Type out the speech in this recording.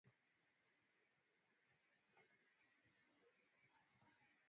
Sasa leo hapa kwa undani tutamchambua twiga aina moja halafu hao wengine tutawapangia siku